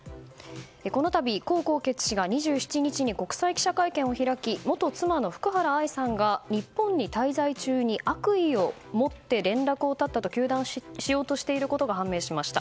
この度、江宏傑氏が２７日に国際記者会見を開き元妻の福原愛さんが日本に滞在中に悪意を持って連絡を絶ったと糾弾しようとしていることが判明しました。